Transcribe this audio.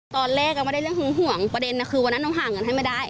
ตอนแรกไม่ได้เรื่องหึงห่วงประเด็นคือวันนั้นเราหาเงินให้ไม่ได้